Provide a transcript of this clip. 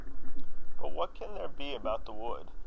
"But what can there be about the wood?